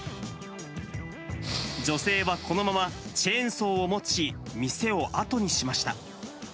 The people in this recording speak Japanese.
女性はこのままチェーンソーを持ち、店を後にしました。